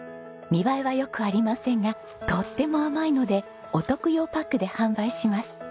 見栄えは良くありませんがとっても甘いのでお徳用パックで販売します。